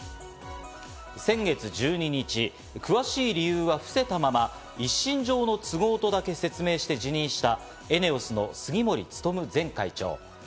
先月１２日、詳しい理由は伏せたまま、一身上の都合とだけ説明して辞任したＥＮＥＯＳの杉森務前会長。